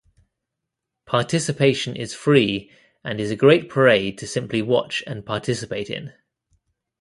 Participation is free and is a great parade to simply watch and participate in.